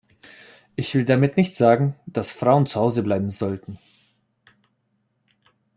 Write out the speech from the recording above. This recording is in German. Ich will damit nicht sagen, dass Frauen zu Hause bleiben sollten.